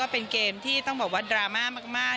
เป็นเกมที่ต้องบอกว่าดราม่ามาก